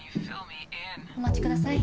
お待ちください